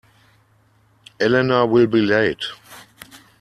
Elena will be late.